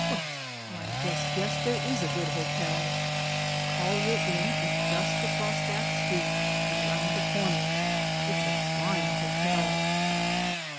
Well, I just guess there is a good hotel I The Collier lim is just across that street and around the comer. It's a fine hotel.